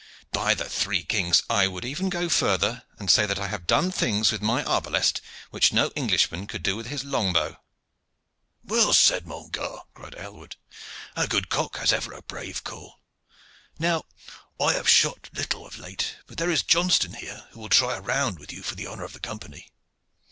By the three kings! I would even go further, and say that I have done things with my arbalest which no Englishman could do with his long bow." "Well said, mon gar.," cried Aylward. "A good cock has ever a brave call. Now, I have shot little of late, but there is Johnston here who will try a round with you for the honor of the Company."